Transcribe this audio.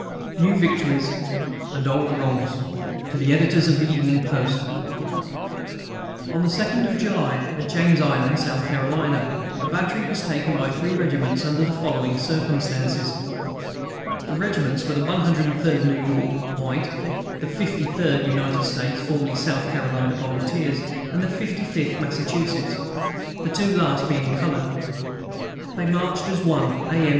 NEW VICTORIES AND OLD WRONGS To the Editors of the Evening Post: On the 2d of July, at James Island, S. C., a battery was taken by three regiments, under the following circumstances: The regiments were the One Hundred and Third New York (white), the Thirty Third United States (formerly First South Carolina Volunteers), and the Fifty Fifth Massachusetts, the two last being colored. They marched at one A. M.